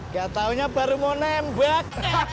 dia tahunya baru mau nembak